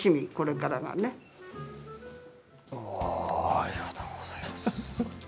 ありがとうございます。